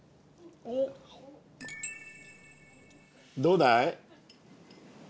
どうだい？